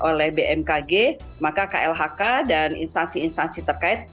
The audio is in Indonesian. oleh bmkg maka klhk dan instansi instansi terkait